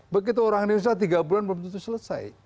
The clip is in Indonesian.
begitu orang indonesia tiga bulan belum tentu selesai